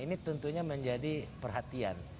ini tentunya menjadi perhatian